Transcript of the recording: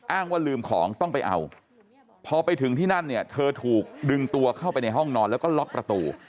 ว่าลืมของต้องไปเอาพอไปถึงที่นั่นเนี่ยเธอถูกดึงตัวเข้าไปในห้องนอนแล้วก็ล็อกประตู